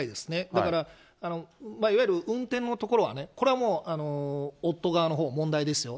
だから、いわゆる運転のところはね、これはもう夫側のほう、問題ですよ。